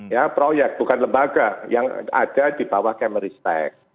ya proyek bukan lembaga yang ada di bawah kemeristek